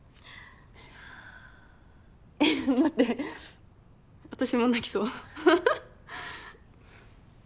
えっ待って私も泣きそうははっ。